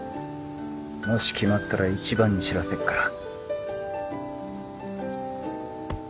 もし決まったら一番に知らせっから。